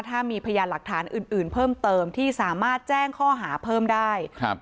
ถ้ามีพยานหลักฐานอื่นอื่นเพิ่มเติมที่สามารถแจ้งข้อหาเพิ่มได้ครับ